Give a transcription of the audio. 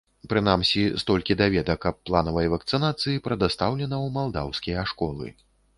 Прынамсі, столькі даведак аб планавай вакцынацыі прадастаўлена ў малдаўскія школы.